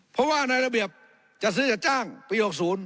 เพราะว่าในระเบียบจัดซื้อจัดจ้างปี๖๐